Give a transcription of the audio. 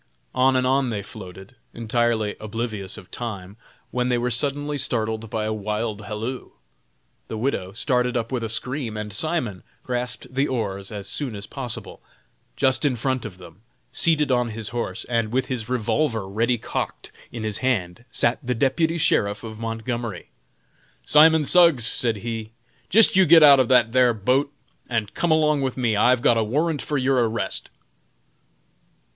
On and on they floated, entirely oblivious of time, when they were suddenly startled by a wild halloo. The widow started up with a scream, and Simon grasped the oars as soon as possible. Just in front of them, seated on his horse, and with his revolver ready cocked in his hand, sat the deputy sheriff of Montgomery. "Simon Suggs," said he, "jist you git out of that thar boat and come along with me; I've got a warrant for your arrest!"